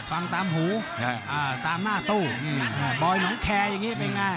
ฟังตามหูตามหน้าตู้บอยหนองแคร์อย่างนี้เป็นไง